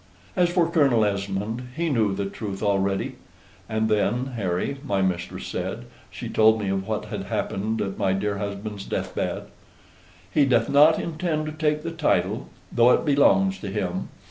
"As for Colonel Esmond, he knew the truth already." ("And then, Harry," my mistress said, "she told me of what had happened at my dear husband's death bed"). "He doth not intend to take the title, though it belongs to him.